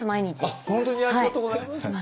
あっ本当にありがとうございます。